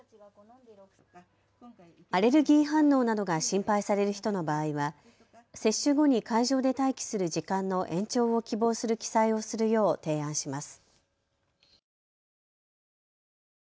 アレルギー反応などが心配される人の場合は接種後に会場で待機する時間の延長を希望する記載をするよう提案します。